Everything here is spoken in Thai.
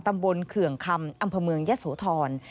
ตำบลเขื่องคำอำภาเมืองเย้โสธร